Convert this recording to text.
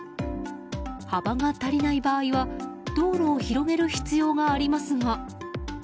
幅が足りない場合は道路を広げる必要がありますが。